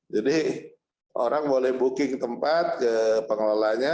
jadi orang boleh booking tempat ke pengelolaannya